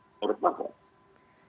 menurut saya kok